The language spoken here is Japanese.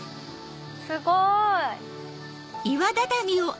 すごい！